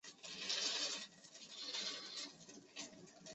正殿和走道用红色维罗纳大理石壁柱分隔。